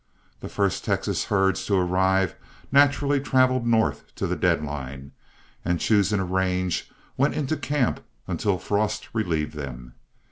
The first Texas herds to arrive naturally traveled north to the dead line, and, choosing a range, went into camp until frost relieved them.